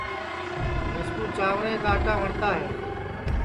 مِسکُو جانٚورے کا آٹا وٹؔتا ہے